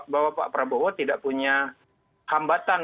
bahwa pak prabowo tidak punya hambatan